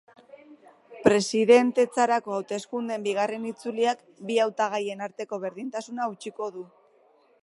Presidentetzarako hauteskundeen bigarren itzuliak bi hautagaien arteko berdinketa hautsiko du.